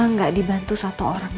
mama gak dibantu satu orang